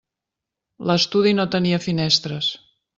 L'estudi no tenia finestres.